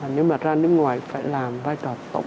nếu mà ra nước ngoài phải làm vai trò tổng thống